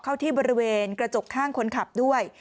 เข้าที่บริเวณกระจกข้างคนขับด้วย